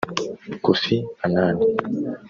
Kofi Annan